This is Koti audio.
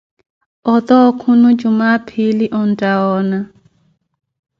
Ote okhuno jumwaa-phiili ontta woona!